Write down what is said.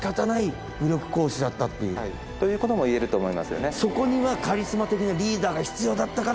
ということもいえると思いますよね。